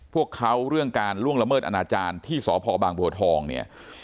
พวกเขาเรื่องการล่วงละเมิดอนาจารย์ที่สพบางบัวทองเนี่ย